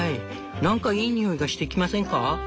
なんかいい匂いがしてきませんか？」。